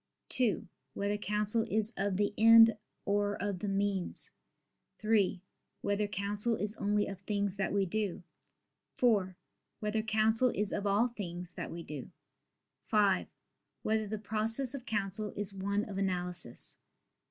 (2) Whether counsel is of the end or of the means? (3) Whether counsel is only of things that we do? (4) Whether counsel is of all things that we do? (5) Whether the process of counsel is one of analysis?